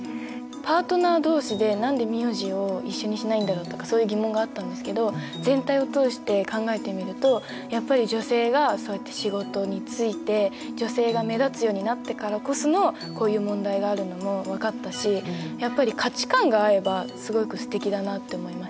パートナー同士で何で名字を一緒にしないんだろうとかそういう疑問があったんですけど全体を通して考えてみるとやっぱり女性がそうやって仕事に就いて女性が目立つようになってからこそのこういう問題があるのも分かったしやっぱり価値観が合えばすごくすてきだなって思いましたね。